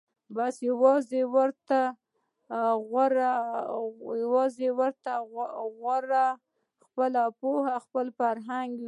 بس یوازي ورته غوره خپله پوهه خپل فرهنګ وي